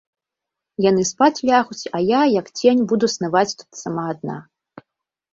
Яны спаць лягуць, а я, як цень, буду снаваць тут сама адна.